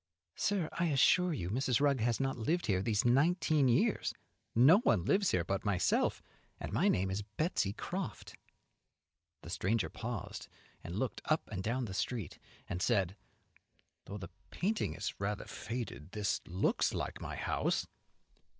"Sir, I assure you Mrs. Rugg has not lived here these nineteen years; no one lives here but myself, and my name is Betsey Croft." The stranger paused, and looked up and down the street and said, "Though the painting is rather faded, this looks like my house."